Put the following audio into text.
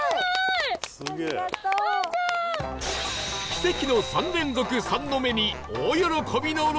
奇跡の３連続「３」の目に大喜びの６人